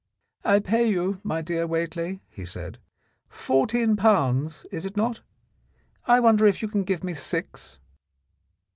"I pay you, my dear Whately," he said, "fourteen pounds, is it not ? I wonder if you can give me six."